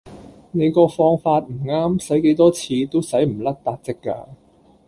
你個放法唔啱洗幾多次都洗唔甩撻漬架